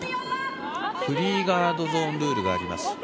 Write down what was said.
フリーガードゾーンルールがあります。